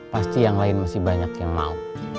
pasti yang lain masih banyak yang mau